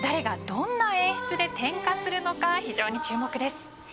誰がどんな演出で点火するのか非常に注目です。